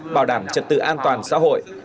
bảo đảm trật tự an toàn xã hội